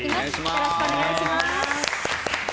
よろしくお願いします。